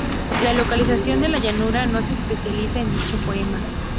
La localización de la llanura no se especifica en dicho poema.